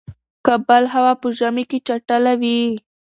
کابل هوا په ژمی کی چټله وی